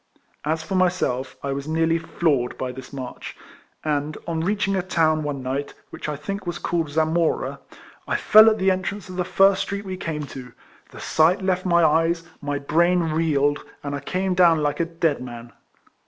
As for myself, I was nearly floored by this march ; and on reach ing a town one night, which I think was called Zamora, I fell at the entrance of the first street we came to; the sight left my eyes, my brain reeled, and I came down like F 3 106 RECOLLECTIONS OF a dead man.